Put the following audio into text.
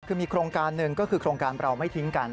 คือมีโครงการหนึ่งก็คือโครงการเราไม่ทิ้งกัน